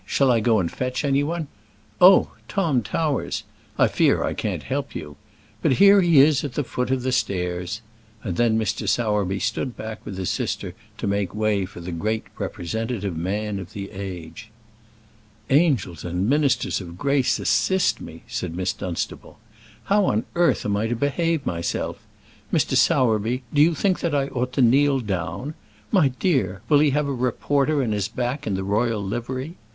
shall I go and fetch any one? Oh, Tom Towers! I fear I can't help you. But here he is at the foot of the stairs!" And then Mr. Sowerby stood back with his sister to make way for the great representative man of the age. "Angels and ministers of grace, assist me!" said Miss Dunstable. "How on earth am I to behave myself? Mr. Sowerby, do you think that I ought to kneel down? My dear, will he have a reporter at his back in the royal livery?"